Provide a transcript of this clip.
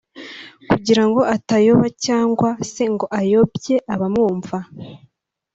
kugira ngo atayoba cyangwa se ngo ayobye abamwumva”